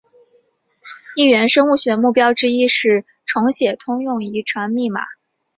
异源生物学的目标之一是重写通用遗传密码。